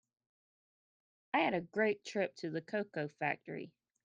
I had a great trip to a cocoa factory.